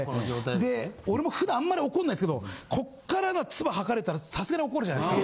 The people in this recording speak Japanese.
で俺も普段あんまり怒んないですけどこっからツバ吐かれたらさすがに怒るじゃないですか。